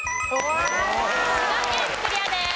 滋賀県クリアです。